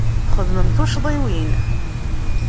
Txedmem tuccḍiwin.